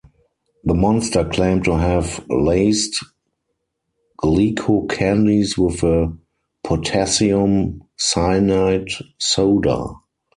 The Monster claimed to have laced Glico candies with a potassium cyanide soda.